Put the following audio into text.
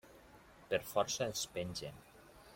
Per força els pengen.